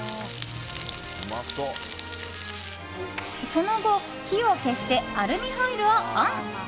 その後、火を消してアルミホイルをオン。